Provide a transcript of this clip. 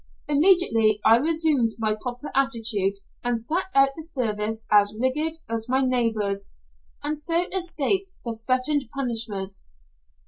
Immediately I resumed my proper attitude and sat out the service as rigid as my neighbours, and so escaped the threatened punishment.